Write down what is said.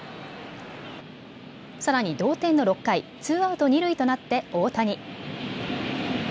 さらに同点の６回、ツーアウト二塁となって大谷。